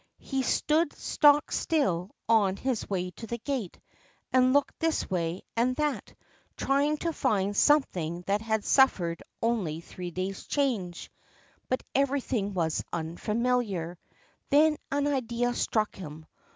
He stood stock still on his way to the gate, and looked this way and that, trying to find something that had suffered only three days' change. But every thing was unfamiliar. Then an idea struck him.